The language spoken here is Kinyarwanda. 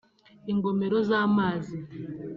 ingomero z’amazi